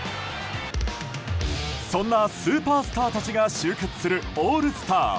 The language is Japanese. そんなスーパースターたちが集結するオールスター。